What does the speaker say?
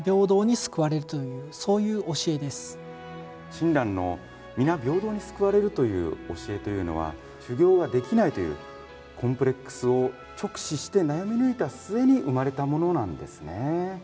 親鸞の皆平等に救われるという教えというのは、修行ができないというコンプレックスを直視して悩み抜いた末に生まれたものなんですね。